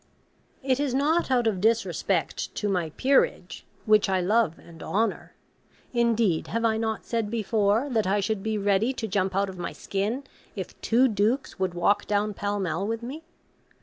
It is not out of disrespect to my 'Peerage,' which I love and honour, (indeed, have I not said before, that I should be ready to jump out of my skin if two Dukes would walk down Pall Mall with me?)